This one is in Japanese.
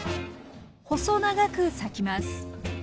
細長く裂きます。